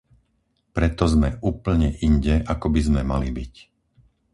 Preto sme úplne inde, ako by sme mali byť.